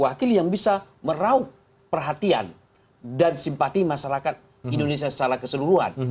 wakil yang bisa meraup perhatian dan simpati masyarakat indonesia secara keseluruhan